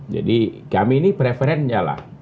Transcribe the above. jadi kami ini preferennya lah